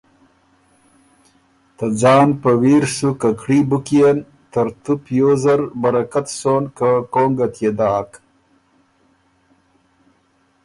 ته ځان په ویر سُو ککړي بُک يېن، ترتُو پیوز برکت سُون که کونګه تيې داک،